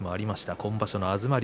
今場所の東龍。